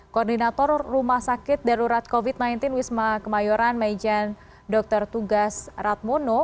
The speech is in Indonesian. koordinator rumah sakit darurat covid sembilan belas wisma kemayoran mejen dr tugas ratmono